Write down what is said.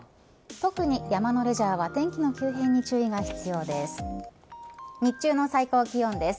特に山のレジャーは天気が急変に注意が必要です。